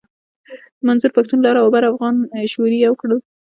منظور پښتون لر او بر افغانان شعوري يو کړل.